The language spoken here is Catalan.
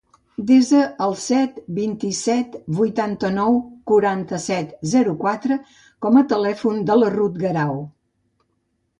Desa el set, vint-i-set, vuitanta-nou, quaranta-set, zero, quatre com a telèfon de la Ruth Garau.